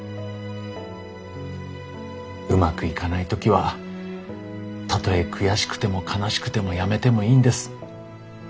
うまくいかない時はたとえ悔しくても悲しくてもやめてもいいんです。